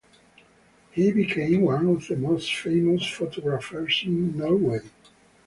He became one of the most famous photographers in Norway.